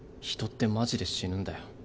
人ってマジで死ぬんだよ。